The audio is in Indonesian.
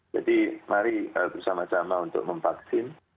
jadi mari bersama sama untuk memvaksin